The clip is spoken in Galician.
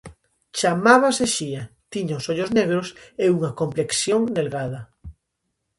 Chamábase Xia, tiña os ollos negros e unha complexión delgada.